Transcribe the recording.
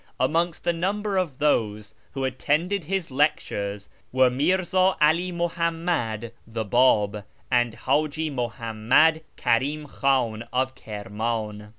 Amongst the number of those who attended his lectures were Mirza 'Ali Muhammad the Bab, and Haji Muhammad Karim Khan of Kirman.